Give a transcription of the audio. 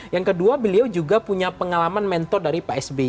yang kedua beliau juga punya pengalaman mentor dari psbi